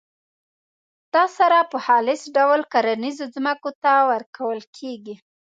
دا سره په خالص ډول کرنیزو ځمکو ته ورکول کیږي.